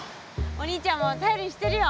お兄ちゃんも頼りにしてるよ。